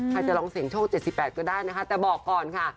จะลองเสียงโชค๗๘ก็ได้นะคะแต่บอกก่อนค่ะ